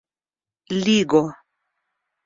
ligo